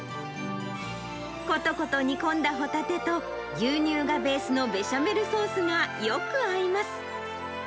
ことこと煮込んだホタテと、牛乳がベースのベシャメルソースがよく合います。